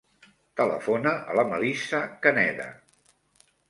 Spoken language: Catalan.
Telefona a la Melissa Caneda.